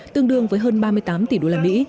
tương đương với hơn ba mươi tám tỷ usd